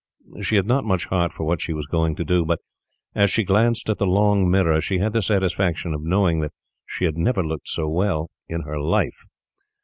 She had not much heart for what she was going to do; but as she glanced at the long mirror she had the satisfaction of knowing that she had never looked so well in her life.